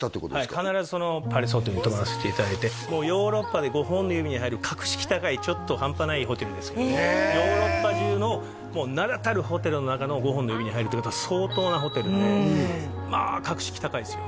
はい必ずパレスホテルに泊まらせていただいてもうヨーロッパで５本の指に入る格式高いちょっと半端ないホテルですけどヨーロッパ中のもう名だたるホテルの中の５本の指に入るってことは相当なホテルでまあ格式高いですよ